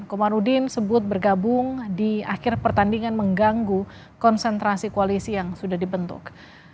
komarudin sebut bergabung di akhir pertandingan mengganggu konsentrasi koalisi yang sudah dibentuk